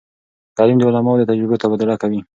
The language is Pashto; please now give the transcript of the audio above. تعلیم د علماوو د تجربو تبادله کوي.